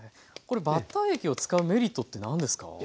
これバッター液を使うメリットって何ですか？